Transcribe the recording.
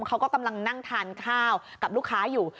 เขาก็กำลังนั่งทานข้าวกับลูกค้าอยู่